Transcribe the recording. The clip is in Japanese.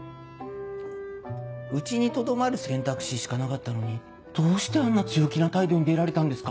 うちにとどまる選択肢しかなかったのにどうしてあんな強気な態度に出られたんですか？